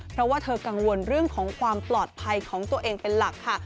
เพราะว่าเธอกังวลเรื่องของความปลอดภัยของตัวเองเป็นหลักค่ะ